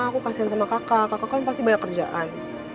aku kasihan sama kakak kakak kan pasti banyak kerjaan